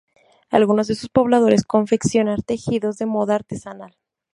Algunos de sus pobladores confeccionan tejidos de modo artesanal.